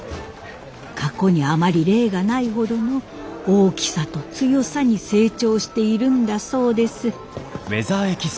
過去にあまり例がないほどの大きさと強さに成長しているんだそうです。